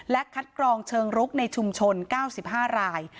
และคัดกรองเชิงรุกในชุมชน๙๕ราย